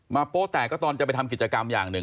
โป๊แตกก็ตอนจะไปทำกิจกรรมอย่างหนึ่ง